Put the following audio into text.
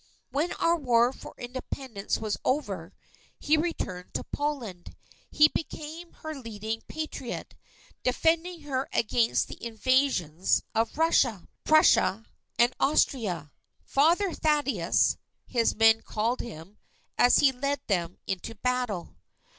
When our War for Independence was over, he returned to Poland. He became her leading Patriot, defending her against the invasions of Russia, Prussia, and Austria. "Father Thaddeus" his men called him, as he led them into battle.